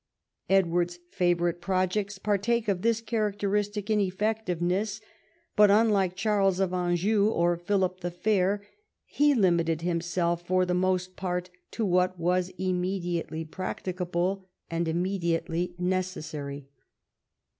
Edward's favourite projects partake of this characteristic ineffectiveness, but, unlike Charles of Anjou or Philip the Fair, he limited himself for the most part to what was immediately practicable and immediately necessary.